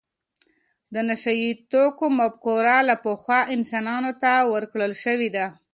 د نشه یې توکو مفکوره له پخوا انسانانو ته ورکړل شوې ده.